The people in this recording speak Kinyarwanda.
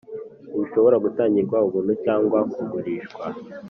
Ntibishobora gutangirwa ubuntu cyangwa kugurishwa,